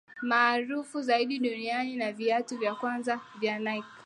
Maarufu zaidi duniani na viatu vya kwanza vya Nike